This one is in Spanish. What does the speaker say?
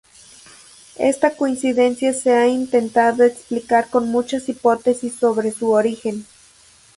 Esta coincidencia se ha intentado explicar con muchas hipótesis sobre su origen.